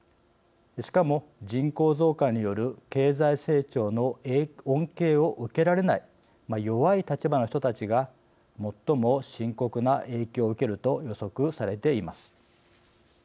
しかも人口増加による経済成長の恩恵を受けられない弱い立場の人たちが最も深刻な影響を受けると予測されています。